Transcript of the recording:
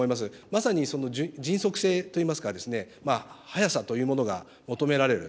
まさに迅速性といいますか、早さというものが求められる。